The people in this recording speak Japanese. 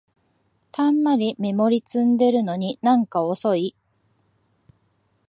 たんまりメモリ積んでるのになんか遅い